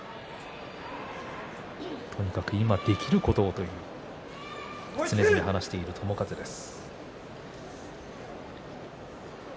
とにかく今できることをと常々話している友風です。